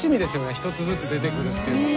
１つずつ出てくるっていうのが。